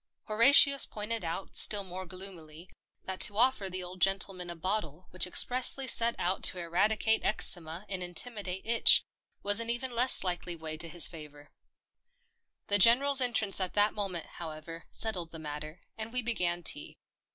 Horatius pointed out still more gloomily that to offer the old gentleman a bottle which expressly set out to eradicate eczema and intimidate itch was an even less likely way to his favour. The General's entrance at that moment, however, settled the matter, and we began tea.